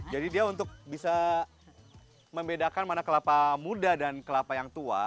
jadi dia untuk bisa membedakan mana kelapa muda dan kelapa yang tua